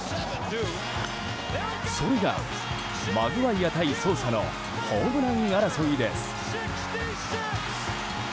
それがマグワイア対ソーサのホームラン争いです。